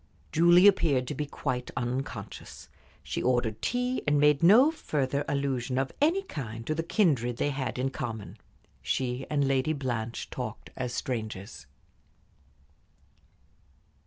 Julie appeared to be quite unconscious. She ordered tea, and made no further allusion of any kind to the kindred they had in common. She and Lady Blanche talked as strangers.